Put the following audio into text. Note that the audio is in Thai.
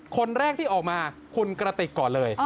คนแรกที่ออกมาคุณกระติกก่อนเลย